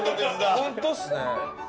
本当っすね。